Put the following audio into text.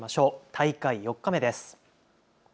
大会４日目です。